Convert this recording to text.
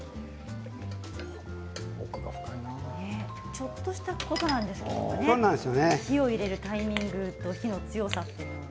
ちょっとしたことなんですけれどもね火を入れるタイミングと火の強さ。